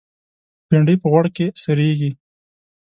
بېنډۍ په غوړ کې سرېږي